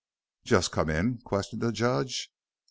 "Just come in?" questioned the judge.